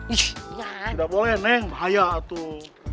nih gak boleh neng bahaya tuh